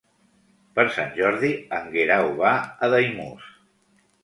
Per Sant Jordi en Guerau va a Daimús.